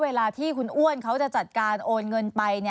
เวลาที่คุณอ้วนเขาจะจัดการโอนเงินไป